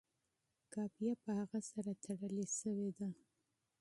قافیه په هغه سره تړلې شوې ده.